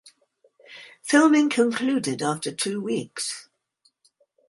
Filming concluded after two weeks.